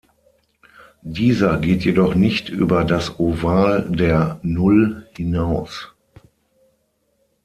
Dieser geht jedoch nicht über das Oval der Null hinaus.